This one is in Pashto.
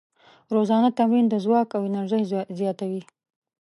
روزانه تمرین د ځواک او انرژۍ زیاتوي.